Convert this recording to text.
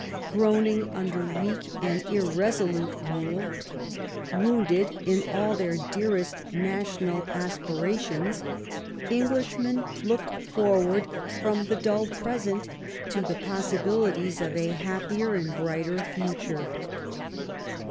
Groaning under weak and irresolute rule, wounded in all their dearest national aspirations. Englishmen looked forward from the dull present to the possibilities of a happier and brighter future.